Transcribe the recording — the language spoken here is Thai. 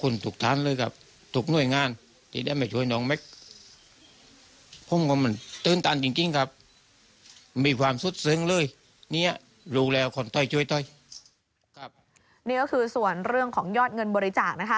นี่ก็คือส่วนเรื่องของยอดเงินบริจาคนะคะ